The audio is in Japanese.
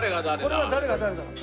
これは誰が誰だろう？